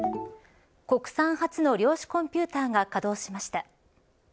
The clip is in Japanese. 国産初の量子コンピューターが稼働しました。